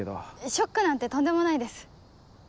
ショックなんてとんでもないです。